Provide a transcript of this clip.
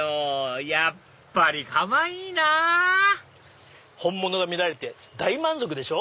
やっぱりかわいいなぁ本物が見られて大満足でしょ。